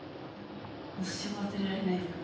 一生忘れられないですね